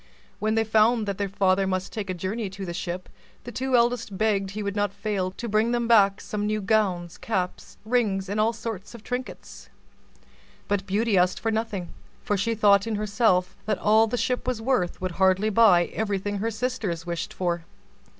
When they found that their father must take a journey to the ship, the two eldest begged he would not fail to bring them back some new gowns, caps, rings, and all sorts of trinkets. But Beauty asked for nothing; for she thought in herself that all the Ship was worth would hardly buy everything her sisters wished for.